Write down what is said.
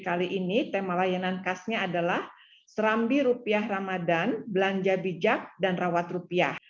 kali ini tema layanan khasnya adalah serambi rupiah ramadan belanja bijak dan rawat rupiah